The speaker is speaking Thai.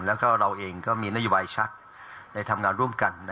แล้วก็เราเองก็มีนโยบายชักในทำงานร่วมกัน